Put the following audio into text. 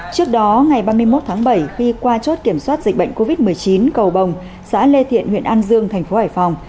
trước đó ngày ba mươi một tháng bảy khi qua chốt kiểm soát dịch bệnh covid một mươi chín cầu bồng xã lê thiện huyện an dương thành phố hải phòng